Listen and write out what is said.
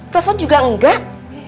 telepon juga nggak